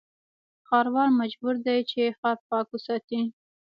ښاروال مجبور دی چې، ښار پاک وساتي.